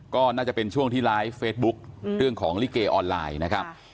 ก็น่าจะเป็นช่วงที่ไลฟ์เฟซบุ๊คเรื่องของลิเกออนไลน์นะครับ